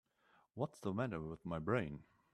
What's the matter with my brain?